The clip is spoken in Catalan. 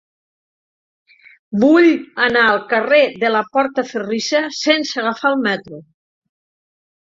Vull anar al carrer de la Portaferrissa sense agafar el metro.